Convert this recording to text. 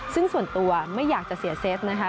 ซึ่งส่วนตัวไม่อยากจะเสียเซฟนะคะ